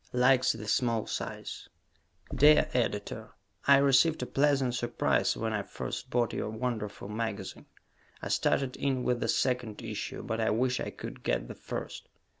Likes the Small Size Dear Editor: I received a pleasant surprise when I first bought your wonderful magazine. I started in with the second issue, but I wish I could get the first.